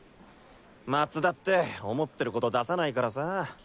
松田って思ってること出さないからさ。